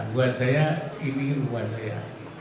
buat saya ini ruang saya